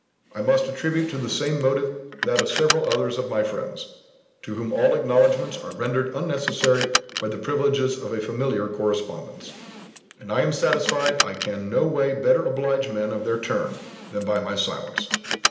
I must attribute to the same motive that of several others of my friends: to whom all acknowledgments are rendered unnecessary by the privileges of a familiar correspondence; and I am satisfied I can no way better oblige men of their turn than by my silence.